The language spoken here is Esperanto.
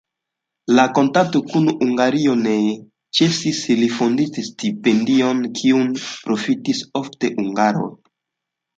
La kontakto kun Hungario ne ĉesis, li fondis stipendion, kiun profitis ofte hungaroj.